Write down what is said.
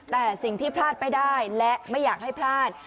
แต่สิ่งที่พลาดไม่ได้และไม่อยากให้พลาด